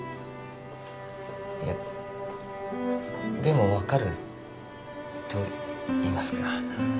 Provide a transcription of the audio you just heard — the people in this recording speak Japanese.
いやでも分かるといいますか。